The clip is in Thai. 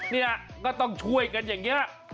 นี่ก็ต้องช่วยกันอย่างนี้แหละ